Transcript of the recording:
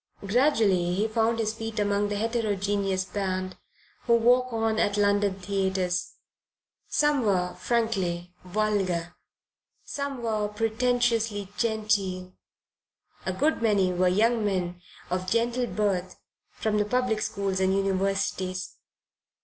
Gradually he found his feet among the heterogeneous band who walk on at London theatres. Some were frankly vulgar, some were pretentiously genteel, a good many were young men of gentle birth from the public schools and universities.